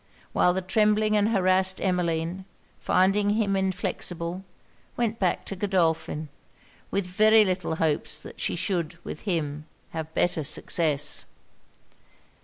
While the trembling and harrassed Emmeline, finding him inflexible, went back to Godolphin, with very little hopes that she should, with him, have better success.